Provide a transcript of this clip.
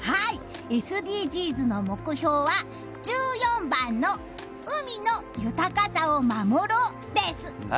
ＳＤＧｓの目標は、１４番の「海の豊かさを守ろう」です！